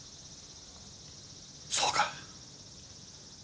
そうか。